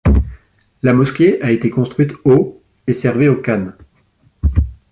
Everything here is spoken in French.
La mosquée a été construite au et servait au khan.